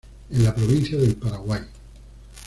En la Provincia del Paraguay.